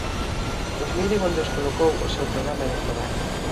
Pois miren onde os colocou o seu programa electoral.